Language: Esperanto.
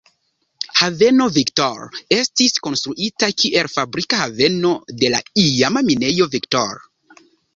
Haveno Victor estis konstruita kiel fabrika haveno de la iama Minejo Victor.